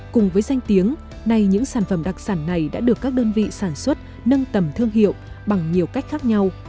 cùng với danh tiếng nay những sản phẩm đặc sản này đã được các đơn vị sản xuất nâng tầm thương hiệu bằng nhiều cách khác nhau